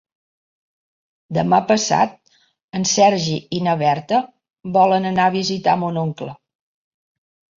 Demà passat en Sergi i na Berta volen anar a visitar mon oncle.